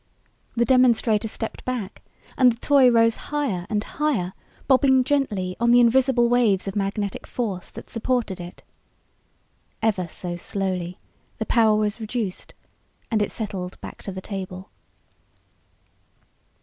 The demonstrator stepped back and the toy rose higher and higher, bobbing gently on the invisible waves of magnetic force that supported it. Ever so slowly the power was reduced and it settled back to the table.